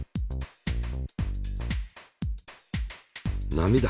波だ。